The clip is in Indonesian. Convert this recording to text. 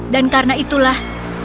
dan karena itulah